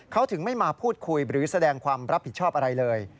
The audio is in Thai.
เขาถึงไม่มาพูดคุยหรือแสดงความรับผิดชอบอะไรเลย